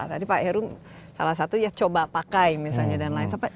tadi pak heru salah satu ya coba pakai misalnya dan lain sebagainya